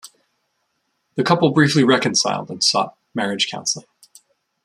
The couple briefly reconciled and sought marriage counselling.